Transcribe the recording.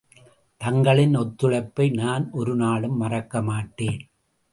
தங்களின் ஒத்துழைப்பை நான் ஒரு நாளும் மறக்கமாட்டேன்.